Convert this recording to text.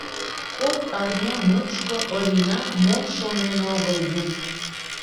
Кок арня мучко Орина мом шонен огыл гын?